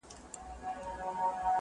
څه شی بحران له لوی ګواښ سره مخ کوي؟